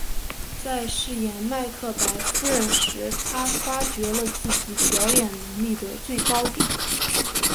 在饰演麦克白夫人时她发觉了自己表演能力的最高点。